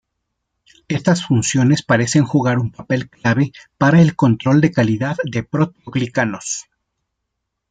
Estas funciones parecen jugar un papel clave para el control de calidad de proteoglicanos.